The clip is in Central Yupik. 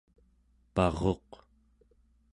paruq